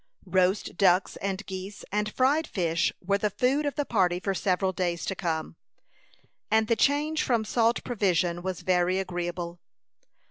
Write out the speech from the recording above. Roast ducks and geese, and fried fish, were the food of the party for several days to come; and the change from salt provision was very agreeable.